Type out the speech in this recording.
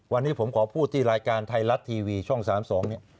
วันนี้ผมขอพูดที่รายการไทยรัฐทีวีช่อง๓๒เนี่ย